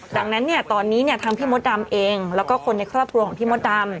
ดังนั้นเนี่ยตอนนี้เนี่ยทางพี่มดดำเองแล้วก็คนในครอบครัวของพี่มดดำ